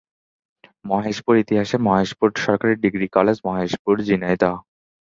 মহেশপুর ইতিহাসে মহেশপুর সরকারি degree college Maheshpur, Jhenaidah.